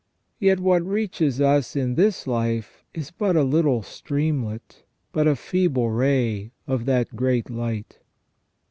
Yet what reaches us in this life is but a little streamlet, but a feeble ray of that great light."